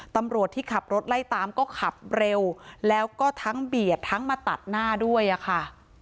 ตำรวจที่ขับรถไล่ตามก็ขับเร็วแล้วก็ทั้งเบียดทั้งมาตัดหน้าด้วยอะค่ะ